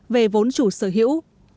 về vốn chủ sở hữu